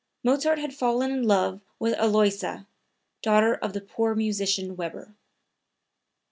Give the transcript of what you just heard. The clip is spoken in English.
Mozart had fallen in love with Aloysia, daughter of the poor musician Weber.)